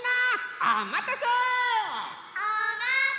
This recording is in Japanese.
おまたせ！